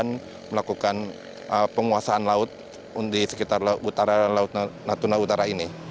dan melakukan penguasaan laut di sekitar laut utara natuna utara ini